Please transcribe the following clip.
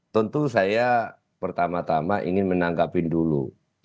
tentu saya pertama tama ingin menanggapin dulu